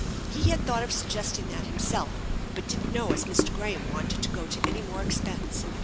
He had thought of suggesting that himself, but didn't know as Mr. Graham wanted to go to any more expense.